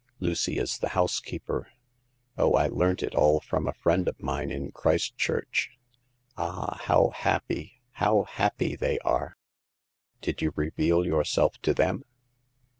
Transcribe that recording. Lucy is the house keeper. Oh, I learnt it all from a friend of mine in Christchurch. Ah ! how happy — how happy they are !"" Did you reveal yourself to them